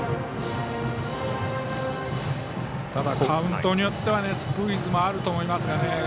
カウントによってはスクイズもあると思います。